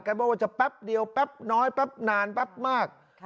บอกว่าจะแป๊บเดียวแป๊บน้อยแป๊บนานแป๊บมาก